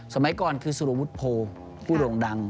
สมัยก่อนคือสุรวุฒิโพผู้โด่งดัง